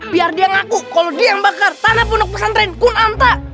biar dia ngaku kalau dia yang bakar tanah pondok pesantren kul anta